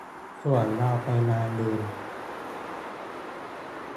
ส่วนเราไปงานอื่น